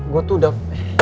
gue tuh udah